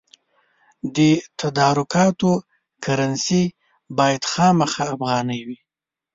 د تدارکاتو کرنسي باید خامخا افغانۍ وي.